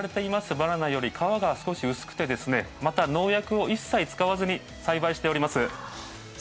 バナナより皮が少し薄くてまた、農薬を一切使わずに栽培しております。